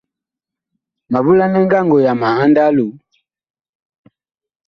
Ma volanɛ ngango yama a ndaa loo.